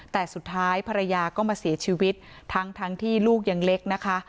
แต่สุดท้ายภรรยาก็มาเสียชีวิตทั้งที่ลูกยังเล็กนะคะ